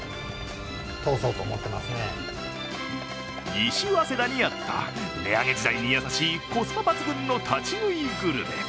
西早稲田にあった値上げ時代に優しいコスパ抜群の立ち食いグルメ。